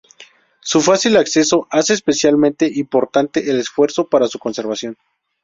Su fácil acceso hace especialmente importante el esfuerzo para su conservación.